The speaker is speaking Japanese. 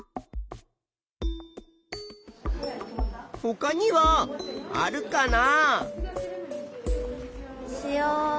ほかにはあるかな？